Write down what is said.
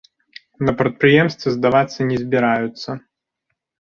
На прадпрыемстве здавацца не збіраюцца.